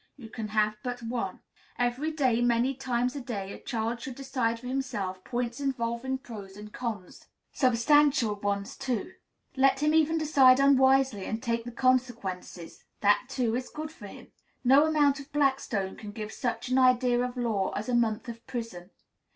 You can have but one." Every day, many times a day, a child should decide for himself points involving pros and cons, substantial ones too. Let him even decide unwisely, and take the consequences; that too is good for him. No amount of Blackstone can give such an idea of law as a month of prison.